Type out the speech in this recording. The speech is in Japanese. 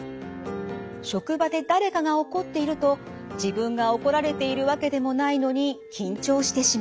職場で誰かが怒っていると自分が怒られているわけでもないのに緊張してしまう。